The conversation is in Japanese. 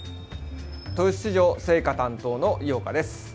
豊洲市場青果担当の井岡です。